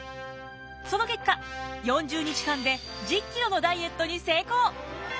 その結果４０日間で１０キロのダイエットに成功！